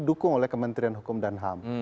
didukung oleh kementerian hukum dan ham